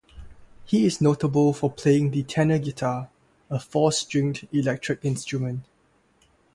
He is notable for playing the tenor guitar, a four-stringed electric instrument.